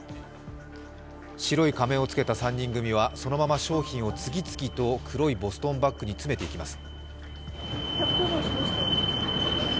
白い仮面を着けた３人組はそのまま商品を次々と黒いボストンバッグに詰めていきます。